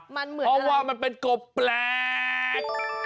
มันเหมือนเพราะว่ามันเป็นกบแปลก